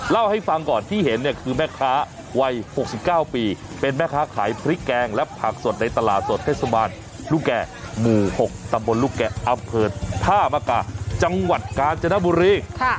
เล่าให้ฟังก่อนที่เห็นเนี่ยคือแม่ค้าวัย๖๙ปีเป็นแม่ค้าขายพริกแกงและผักสดในตลาดสดเทศบาลลูกแก่หมู่๖ตำบลลูกแก่อำเภอท่ามกาจังหวัดกาญจนบุรี